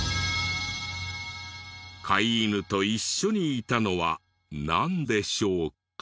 飼い犬と一緒にいたのはなんでしょうか？